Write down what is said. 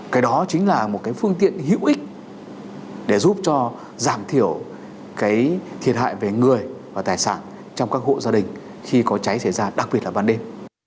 cái đó chính là một cái phương tiện hữu ích để giúp cho giảm thiểu cái thiệt hại về người và tài sản trong các hộ gia đình khi có cháy xảy ra đặc biệt là ban đêm